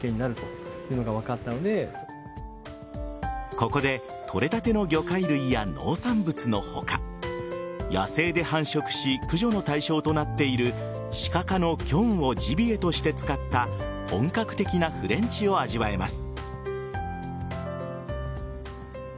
ここでとれたての魚介類や農産物の他野生で繁殖し駆除の対象となっているシカ科のキョンをジビエとして使った本格的なフレンチを味わえます。